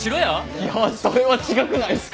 いやそれは違くないっすか？